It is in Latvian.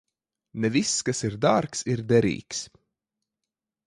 Ne viss, kas ir dārgs, ir derīgs.